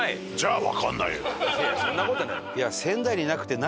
いやそんな事ない。